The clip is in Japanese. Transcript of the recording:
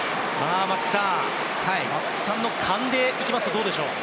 松木さんの勘でいきますと、どうですか。